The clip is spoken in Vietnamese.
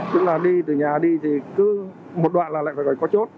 tức là đi từ nhà đi thì cứ một đoạn là lại phải có chốt